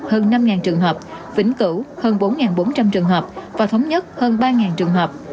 hơn năm trường hợp vĩnh cửu hơn bốn bốn trăm linh trường hợp và thống nhất hơn ba trường hợp